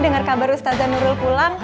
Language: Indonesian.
denger kabar ustazah nurul pulang